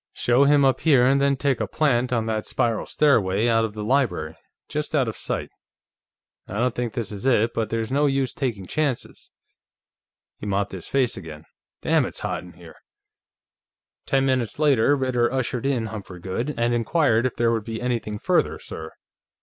"Show him up here, and then take a plant on that spiral stairway out of the library, just out of sight. I don't think this it, but there's no use taking chances." He mopped his face again. "Damn, it's hot in here!" Ten minutes later, Ritter ushered in Humphrey Goode, and inquired if there would be anything further, sir?